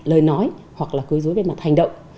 lời nói hoặc là quấy dối về mặt hành động